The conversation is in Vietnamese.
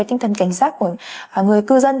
tinh thần cảnh giác của người cư dân